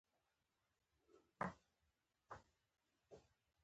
حسن چې رنګونه دفطرت اخلي